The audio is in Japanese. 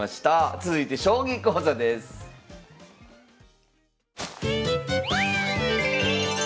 続いて将棋講座です。